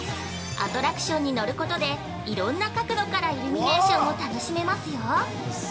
アトラクションに乗ることでいろんな角度からイルミネーションを楽しめますよ。